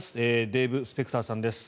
デーブ・スペクターさんです。